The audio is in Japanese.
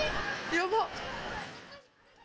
やばっ。